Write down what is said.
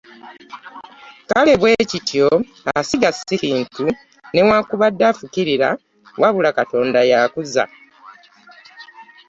Kale bwe kityo asiga si kintu, newakubadde afukirira; wabula Katonda akuza.